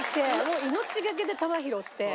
もう命懸けで球拾って。